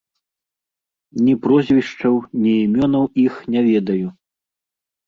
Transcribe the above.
Ні прозвішчаў, ні імёнаў іх не ведаю.